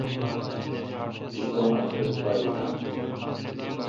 تے گوا منجلس پا این آں؟